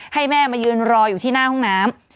ให้แม่มายืนรออยู่ที่หน้าห้องน้ำ